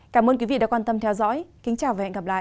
cảm ơn quý vị đã quan tâm theo dõi kính chào và hẹn gặp lại